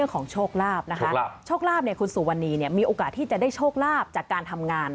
ชนงานไทยของคุณสุวรณีมีโอกาสที่จะได้ชลาปจากการทำงาน